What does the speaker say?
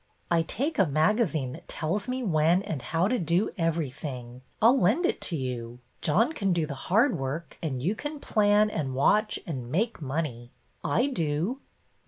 I take a magazine that tells me when and how to do everything. I 'll lend it to you. John can do the hard work and you can plan and watch and make money. I do."